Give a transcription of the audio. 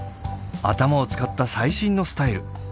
頭を使った最新のスタイル。